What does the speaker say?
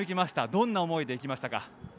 どんな思いでいきましたか？